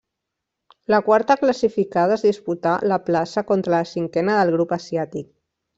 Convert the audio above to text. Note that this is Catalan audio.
La quarta classificada es disputà la plaça contra la cinquena del grup asiàtic.